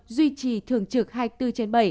duy trì thường trực hai mươi bốn trên bảy